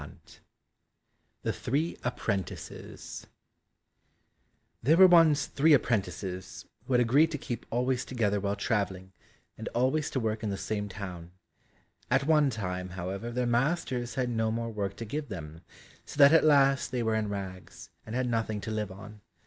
120 The Three Apprentices There were once three apprentices, who had agreed to keep always together while travelling, and always to work in the same town. At one time, however, their masters had no more work to give them, so that at last they were in rags, and had nothing to live on.